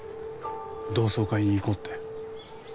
同窓会に行こうって。